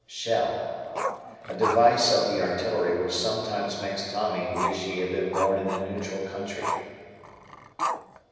Shell. A device of the artillery which sometimes makes Tommy wish he had been born in a neutral country.